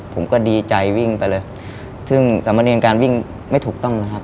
ผมก็ดีใจวิ่งไปเลยซึ่งสามเณรการวิ่งไม่ถูกต้องนะครับ